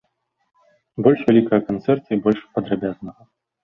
Больш вялікага канцэрта, і больш падрабязнага.